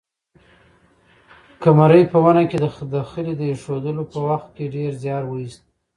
قمرۍ په ونې کې د خلي د اېښودلو په وخت کې ډېر زیار وایست.